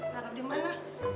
taruh di mana